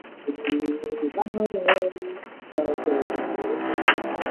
该组织由从中国出境的维吾尔族人以及旅居中国境外的维吾尔人共同成立。